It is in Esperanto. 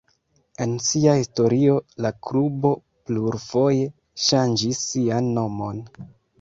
En sia historio la klubo plurfoje ŝanĝis sian nomon.